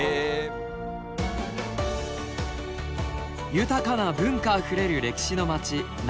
豊かな文化あふれる歴史の街ナポリ。